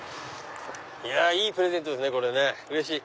いやいいプレゼントですねうれしい！